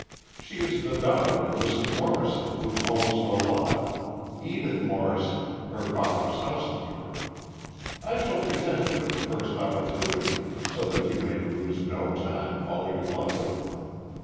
She is the daughter of Mr. Morrison, who owns the Lodge Edith Morrison her father's housekeeper. I shall present you at the first opportunity so that you may lose no time falling in love with her.